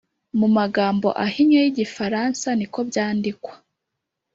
mu magambo ahinnye y’ igifaransa nikobyandikwa.